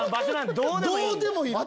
どうでもいい！